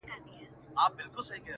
زه به په فکر وم، چي څنگه مو سميږي ژوند